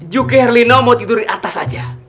juke herlino mau tidur di atas aja